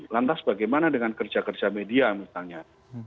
lantas bagaimana dengan kerja kerja media misalnya